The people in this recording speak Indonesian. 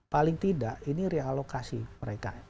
paling tidak ini realokasi mereka